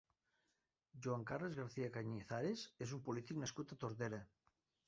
Joan Carles Garcia Cañizares és un polític nascut a Tordera.